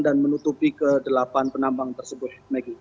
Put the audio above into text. dan menutupi ke delapan penambang tersebut